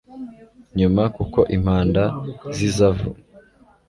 nyuma Kuko impanda z izavu